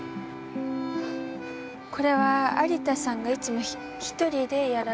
これは有田さんがいつも一人でやられてるんですか？